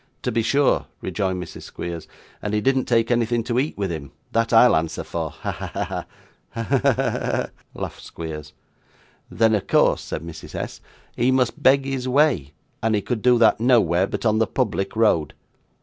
'To be sure,' rejoined Mrs. Squeers, 'and he didn't take anything to eat with him; that I'll answer for. Ha! ha! ha!' 'Ha! ha! ha!' laughed Squeers. 'Then, of course,' said Mrs. S., 'he must beg his way, and he could do that, nowhere, but on the public road.